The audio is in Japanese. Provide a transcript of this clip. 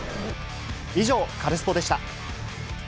以上、カルスポっ！でした。